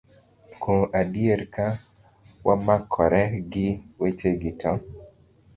Kuom adier, ka wamakore gi wechegi, to